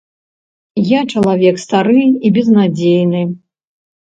Я чалавек стары і безнадзейны.